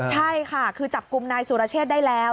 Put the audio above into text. ใช่ค่ะคือจับกลุ่มนายสุรเชษได้แล้ว